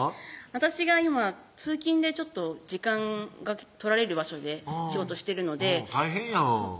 私が今通勤でちょっと時間が取られる場所で仕事してるので大変やん